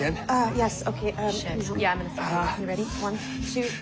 よし。